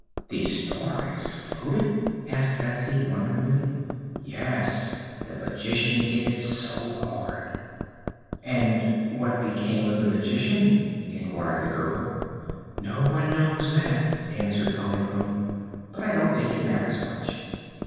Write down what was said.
"The star exploded?" asked Betsy wonderingly. "Yes; the Magician hit it so hard." "And what became of the Magician?" inquired the girl. "No one knows that," answered Polychrome. "But I don't think it matters much."